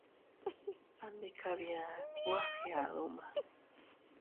Andikabia, kuu a fgiadu ma.